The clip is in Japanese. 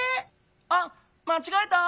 あっまちがえた！